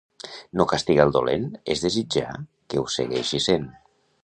No castigar el dolent és desitjar que ho segueixi sent.